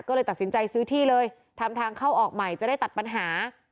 ก็เลยตัดสินใจซื้อที่เลยทำทางเข้าออกใหม่จะได้ตัดปัญหา